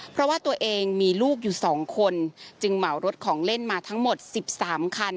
เพราะว่าตัวเองมีลูกอยู่๒คนจึงเหมารถของเล่นมาทั้งหมด๑๓คัน